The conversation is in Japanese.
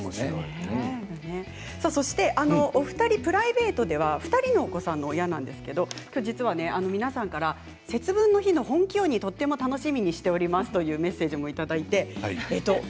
お二人プライベートでは２人のお子さんの親なんですけど、きょう皆さんから節分の日の本気鬼とっても楽しみにしておりますというメッセージもいただきました。